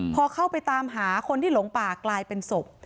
พอเข้าไปตามหาคนที่หลงป่ากลายเป็นศพ